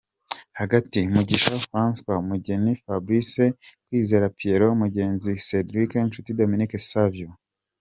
Hagati: Mugisha Francois, Mugheni Fabrice, Kwizera Pierrot, Mugenzi Cedrick, Nshuti Dominique Savio.